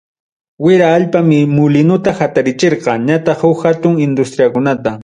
Wira allpa mulinuta hatarichirqa, ñataq huk hatun industriakunata.